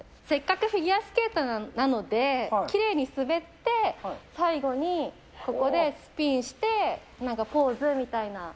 せっかく、フィギュアスケートなので、きれいに滑って、最後にここでスピンして、なんかポーズみたいな。